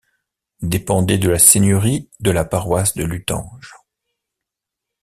Dépendait de la seigneurie et de la paroisse de Luttange.